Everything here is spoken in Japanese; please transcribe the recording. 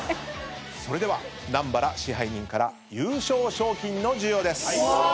それでは南原支配人から優勝賞金の授与です。